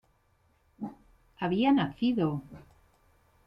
Había nacido.